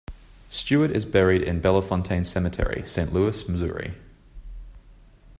Stewart is buried in Bellefontaine Cemetery, Saint Louis, Missouri.